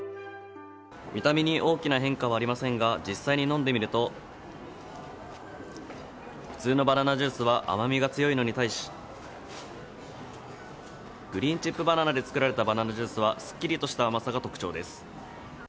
見た目に大きな変化はありませんが実際に飲んでみると普通のバナナジュースは甘みが強いのに対しグリーンチップバナナで作られたバナナジュースはすっきりとした甘さが特徴です。